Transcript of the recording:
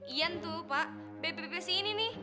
ian tuh pak bebe bebe si ini nih